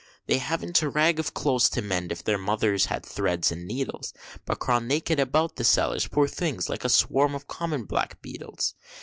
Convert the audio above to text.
They havn't a rag of clothes to mend, if their mothers had thread and needles, But crawl naked about the cellars, poor things, like a swarm of common black beadles.